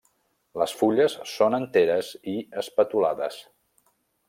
Les fulles són enteres i espatulades.